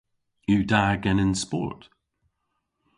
Yw da genen sport?